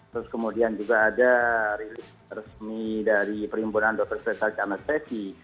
terus kemudian juga ada rilis resmi dari perhimpunan dr stefanus di anestesi